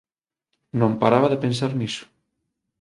Non paraba de pensar niso